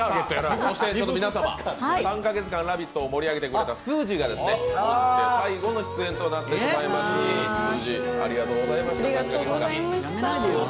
そして３カ月間、「ラヴィット！」を盛り上げてくれましたすーじーが今日で最後の出演となってしまいます。